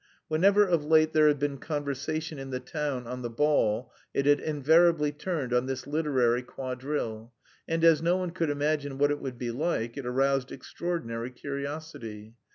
Whenever of late there had been conversation in the town on the ball it had invariably turned on this literary quadrille, and as no one could imagine what it would be like, it aroused extraordinary curiosity.